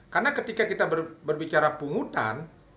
karena ketika kita berbicara penghutan